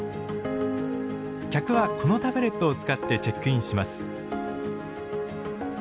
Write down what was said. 客はこのタブレットを使ってチェックインします。